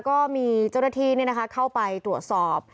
ก็มีเจ้านาทีเนี่ยนะคะเข้าไปตรวจสอบ